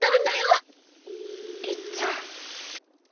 りっちゃん。